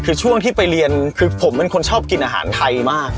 คือช่วงที่ไปเรียนคือผมเป็นคนชอบกินอาหารไทยมาก